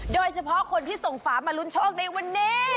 โดยเฉพาะคนที่ส่งฝามาลุ้นโชคในวันนี้